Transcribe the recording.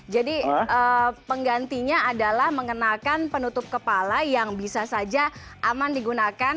jadi penggantinya adalah mengenakan penutup kepala yang bisa saja aman digunakan